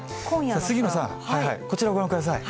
杉野さん、こちらをご覧ください。